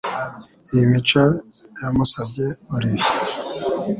Iyi mico yamusabye Olivier